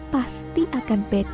pasti akan becek dan lejit